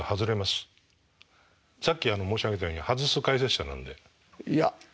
さっき申し上げたように外す解説者なんで。